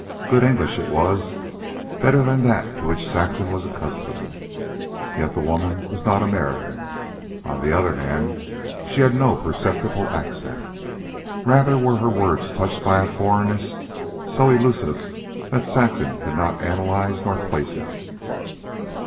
Good English it was, better than that to which Saxon was accustomed. Yet the woman was not American. On the other hand, she had no perceptible accent. Rather were her words touched by a foreignness so elusive that Saxon could not analyze nor place it.